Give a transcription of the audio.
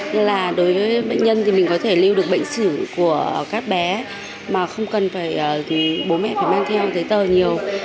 nên là đối với bệnh nhân thì mình có thể lưu được bệnh sử của các bé mà không cần phải bố mẹ phải mang theo giấy tờ nhiều